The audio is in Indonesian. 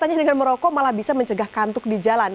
katanya dengan merokok malah bisa mencegah kantuk di jalan